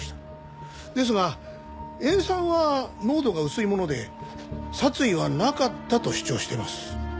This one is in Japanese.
ですが塩酸は濃度が薄いもので殺意はなかったと主張しています。